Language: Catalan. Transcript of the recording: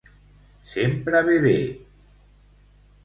Sempre ve bé.